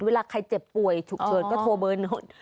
เวลาใครเจ็บป่วยฉุกเบิร์นก็โทร๑๖๖๙